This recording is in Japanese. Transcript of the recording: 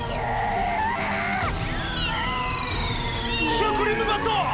シュークリーム・バット！